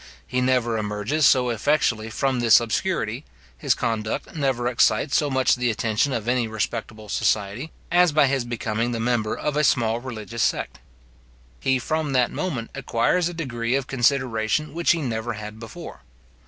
He never emerges so effectually from this obscurity, his conduct never excites so much the attention of any respectable society, as by his becoming the member of a small religious sect. He from that moment acquires a degree of consideration which he never had before.